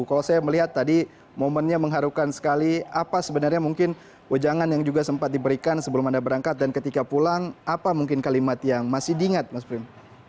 kalau saya melihat tadi momennya mengharukan sekali apa sebenarnya mungkin wejangan yang juga sempat diberikan sebelum anda berangkat dan ketika pulang apa mungkin kalimat yang masih diingat mas print